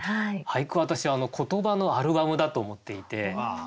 俳句は私言葉のアルバムだと思っていて。